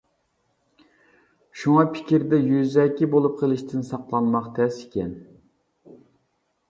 شۇڭا پىكىردە يۈزەكى بولۇپ قىلىشتىن ساقلانماق تەس ئىكەن.